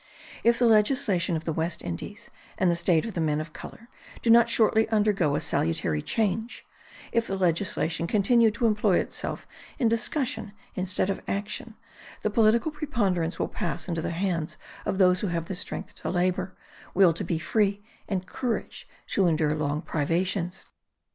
If the legislation of the West Indies and the state of the men of colour do not shortly undergo a salutary change; if the legislation continue to employ itself in discussion instead of action, the political preponderance will pass into the hands of those who have strength to labour, will to be free, and courage to endure long privations.